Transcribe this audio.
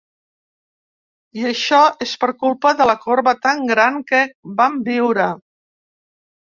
I això, és per culpa de la corba tan gran que vam viure.